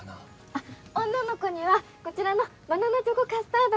あっ女の子にはこちらのバナナチョコカスタードが